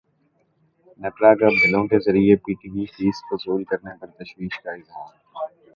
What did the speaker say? نیپرا کا بلوں کے ذریعے پی ٹی وی فیس وصول کرنے پر تشویش کا اظہار